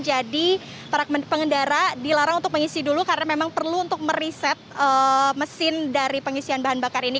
jadi para pengendara dilarang untuk mengisi dulu karena memang perlu untuk meriset mesin dari pengisian bahan bakar ini